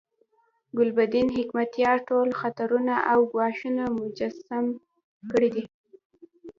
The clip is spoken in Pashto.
ګلبدین حکمتیار ټول خطرونه او ګواښونه مجسم کړي دي.